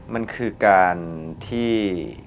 มันคือการที่